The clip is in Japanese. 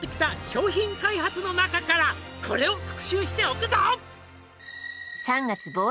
「商品開発の中からこれを復習しておくぞ」